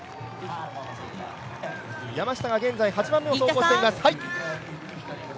山下が現在８番目を走行してます。